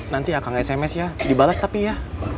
nanti akan sms ya dibalas tapi ya